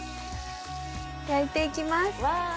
焼いて行きます。